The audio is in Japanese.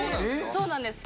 そうなんです。